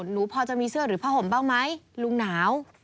หนูพอจะมีเสื้อหรือผ้าห่มบ้างไหมลุงหนาว